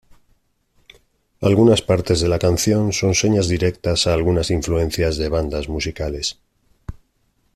Algunas partes de la canción son señas directas a algunas influencias de bandas musicales.